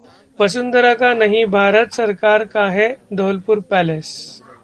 वसुंधरा का नहीं भारत सरकार का है धौलपुर पैलेस